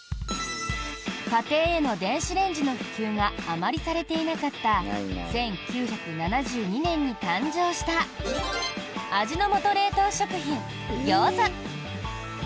家庭への電子レンジの普及があまりされていなかった１９７２年に誕生した味の素冷凍食品、ギョーザ。